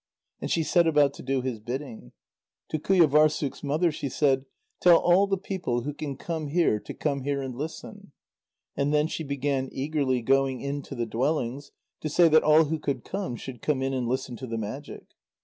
And she set about to do his bidding. To Qujâvârssuk's mother she said: "Tell all the people who can come here to come here and listen!" And then she began eagerly going in to the dwellings, to say that all who could come should come in and listen to the magic.